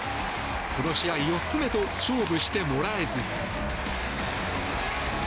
この試合４つ目と勝負してもらえず。